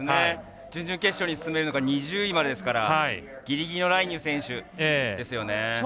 準々決勝に進めるのが２０位までですからギリギリのラインにいる選手ですね。